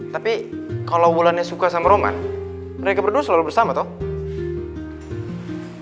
tapi kalau bulannya suka sama roman mereka berdua selalu bersama tau